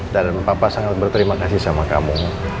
dan papa sangat berterima kasih sama kamu